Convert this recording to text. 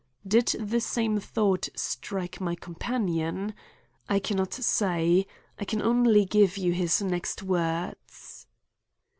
Did the same thought strike my companion? I can not say; I can only give you his next words.